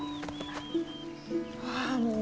ああもう。